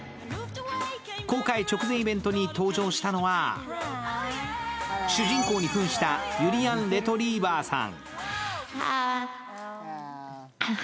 公開直前イベントに登場したのは主人公に扮したゆりやんレトリィバァさん。